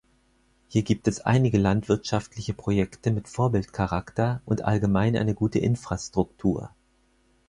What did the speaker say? Hier gibt es einige landwirtschaftliche Projekte mit Vorbildcharakter und allgemein eine gute Infrastruktur.